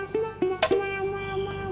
ya emang begitu dong